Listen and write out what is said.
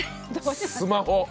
スマホ。